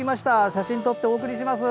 写真撮ってお送りします。